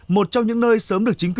một trong những nơi sớm được chính phủ